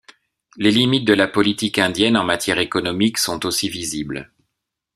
Les limites de la politique indienne en matière économique sont aussi visibles.